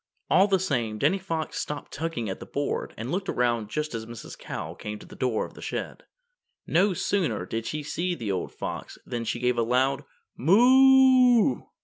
All the same, Danny Fox stopped tugging at the board and looked around just as Mrs. Cow came to the door of the shed. No sooner did she see the old fox than she gave a loud "MOO!"